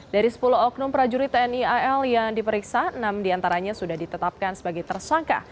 dari sepuluh oknum prajurit tni al yang diperiksa enam diantaranya sudah ditetapkan sebagai tersangka